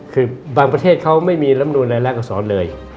คือบางประเทศเขาไม่มีลำนูนรายลักอักษรเลย